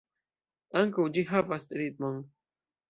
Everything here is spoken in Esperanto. Ankaŭ ĝi havas ritmon.